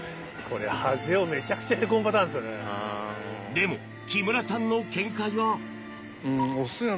でも木村さんの見解は。